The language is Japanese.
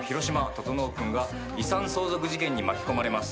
整君が遺産相続事件に巻き込まれます。